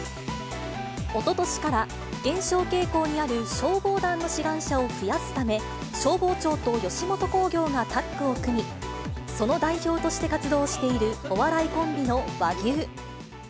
おととしから減少傾向にある消防団の志願者を増やすため、消防庁と吉本興業がタッグを組み、その代表として活動しているお笑いコンビの和牛。